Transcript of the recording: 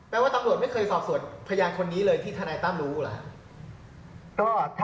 ว่าตำรวจไม่เคยสอบสวนพยานคนนี้เลยที่ทนายตั้มรู้หรือครับ